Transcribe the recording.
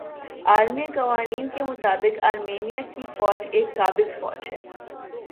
عالمی قوانین کے مطابق آرمینیا کی فوج ایک قابض فوج ھے